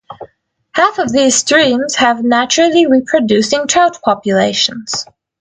Half of these streams have naturally reproducing trout populations.